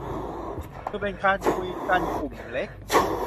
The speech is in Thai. คือเป็นการคุยกันกลุ่มเล็ก